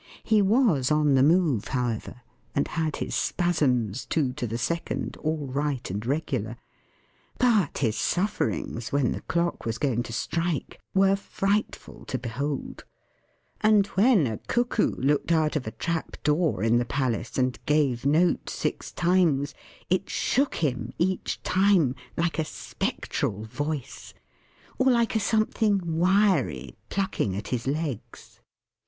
He was on the move, however; and had his spasms, two to the second, all right and regular. But his sufferings when the clock was going to strike, were frightful to behold; and when a Cuckoo looked out of a trap door in the Palace, and gave note six times, it shook him, each time, like a spectral voice or like a something wiry, plucking at his legs.